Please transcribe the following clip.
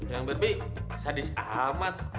yang berbi sadis amat